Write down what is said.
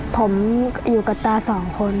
ผมอยู่กับตา๒คน